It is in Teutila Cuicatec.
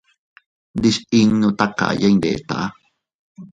Ndisinnu takaya iyndeta.